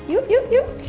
yuk yuk yuk